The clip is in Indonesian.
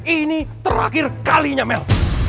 ini terakhir kalinya mel